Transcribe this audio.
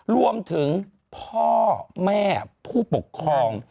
รวมถึงพ่อแม่ผู้ปกครอง